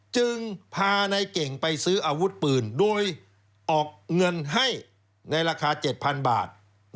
จึงพานายเก่งไปซื้ออาวุธปืนโดยออกเงินให้ในราคา๗๐๐บาท